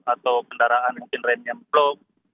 atau kendaraan mungkin remnya memblok